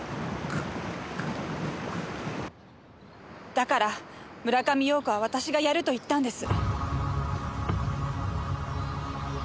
だから村上陽子は私がやると言ったんです。